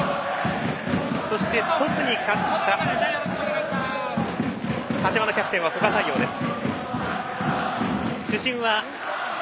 そして鳥栖に勝った柏のキャプテンは古賀太陽です。